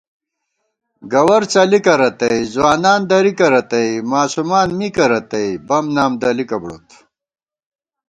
گوَرڅَلِکہ رتئ، ځوانان درِکہ رتئ، ماسُومان مِکہ رتئ، بم نام دلِکہ بُڑوت